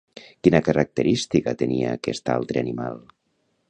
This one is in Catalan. Quina característica tenia aquest altre animal?